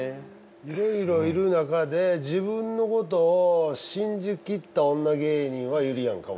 いろいろいる中で自分のことを信じ切った女芸人はゆりやんかも。